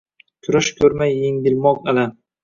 Kurash koʼrmay yengilmoq alam